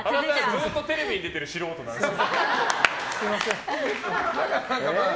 ずっとテレビに出てる素人なんです。